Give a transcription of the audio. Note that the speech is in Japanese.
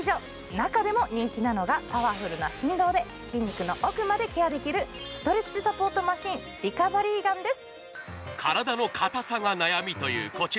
中でも人気なのがパワフルな振動で筋肉の奥までケアできるストレッチサポートマシンリカバリーガンです。